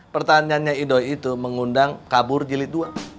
pertanyaannya idoi itu mengundang kabur jilid dua